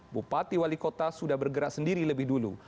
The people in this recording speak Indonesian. bupati wali kota sudah bergerak sendiri lebih dulu